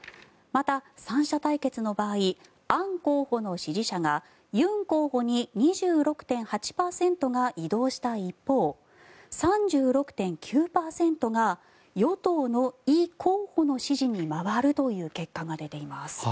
また、３者対決の場合アン候補の支持者がユン候補に２６．８％が移動した一方、３６．９％が与党のイ候補の支持に回るという結果が出ています。